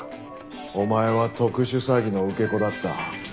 お前は特殊詐欺の受け子だった。